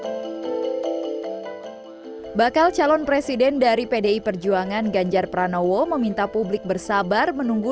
hai bakal calon presiden dari pdi perjuangan ganjar pranowo meminta publik bersabar menunggu